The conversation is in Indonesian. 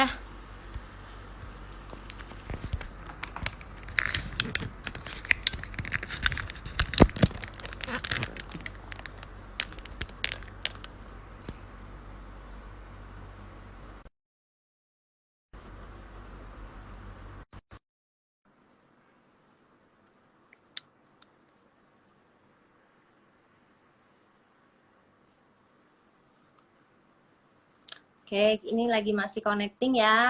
oke ini lagi masih connecting ya